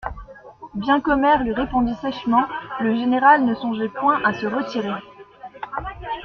Bien qu'Omer lui répondit sèchement, le général ne songeait point à se retirer.